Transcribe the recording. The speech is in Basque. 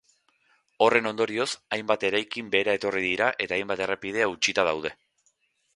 Horren ondorioz, hainbat eraikin behera etorri dira eta hainbat errepide hautsita daude.